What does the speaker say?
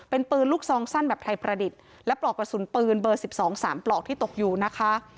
เป็นปืนลูกซองสั้นแบบไทยประดิษฐ์และปลอกกระสุนปืนเบอร์๑๒๓ปลอกที่ตกอยู่นะคะ